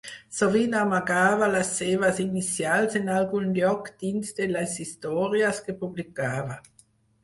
Sovint amagava les seves inicials en algun lloc dins de les històries que publicava.